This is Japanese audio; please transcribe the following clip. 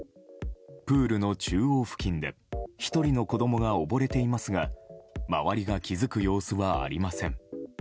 プールの中央付近で１人の子供が溺れていますが周りが気付く様子はありません。